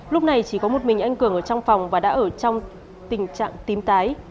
lúc này chỉ có một mình anh cường ở trong phòng và đã ở trong tình trạng tím tái